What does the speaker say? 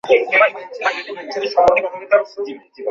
তখন বলতে পারবেন, বিড়ালটা জীবিত না মৃত?